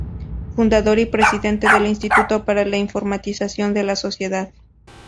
Fundador y presidente del Instituto para la Informatización de la Sociedad.